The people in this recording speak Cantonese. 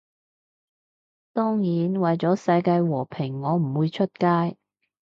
當然，為咗世界和平我唔會出街